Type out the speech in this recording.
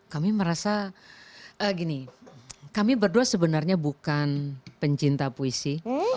kami merasa gini kami berdua sebenarnya bukan pencinta puisi